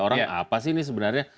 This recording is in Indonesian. orang apa sih ini sebenarnya